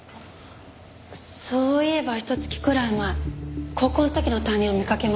そういえばひと月くらい前高校の時の担任を見かけました。